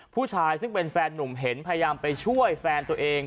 ผู้ชายซึ่งเป็นแฟนหนุ่มเห็นพยายามไปช่วยแฟนตัวเอง